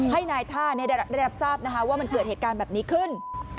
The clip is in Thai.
ให้นายท่าได้รับทราบว่ามันเกิดเหตุการณ์แบบนี้ขึ้น